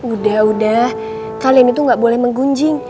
udah udah kalian itu gak boleh menggunjing